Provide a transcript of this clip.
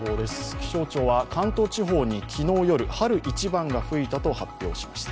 気象庁は関東地方に昨日夜、春一番が吹いたと発表しました。